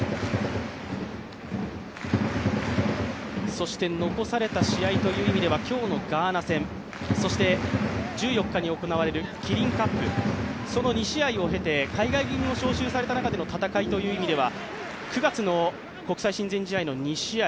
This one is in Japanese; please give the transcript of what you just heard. そして残された試合という意味では今日のガーナ戦、１４日に行われるキリンカップその２試合を経て、海外組も招集された中での戦いという意味では９月の国際親善試合の２試合。